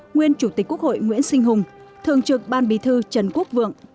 nguyên chủ tịch quốc hội nguyễn sinh hùng thường trực ban bí thư trần quốc vượng